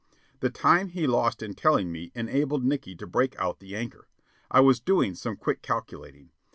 The time he lost in telling me enabled Nickey to break out the anchor. I was doing some quick calculating.